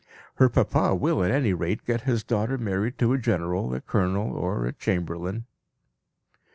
Her papa will at any rate get his daughter married to a general, a colonel, or a chamberlain."